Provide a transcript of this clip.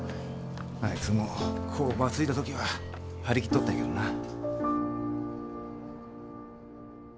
あいつも工場継いだ時は張り切っとったんやけどなぁ。